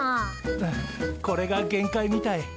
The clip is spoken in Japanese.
うこれが限界みたい。